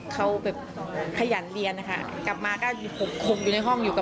ก็อวยพรให้เขาได้ค่ะ